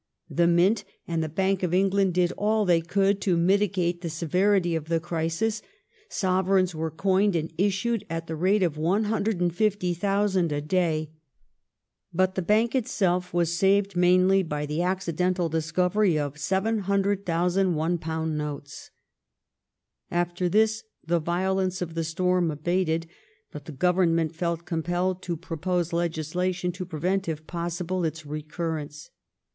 The Mint and the Bank of England did all they could to mitigate the severity of the crisis. Sovereigns were coined and issued at the rate of 150,000 a day, but the Bank itself was saved mainly by the accidental discovery of 700,000 £1 notes. After this the violence of the storm abated, but the Government felt compelled to propose legislation to prevent, if possible, its recur rence.